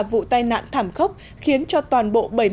vụ tai nạn thảm khốc khiến cho toàn bộ